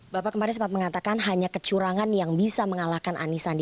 bapak kemarin sempat mengatakan hanya kecurangan yang bisa mengalahkan anisandi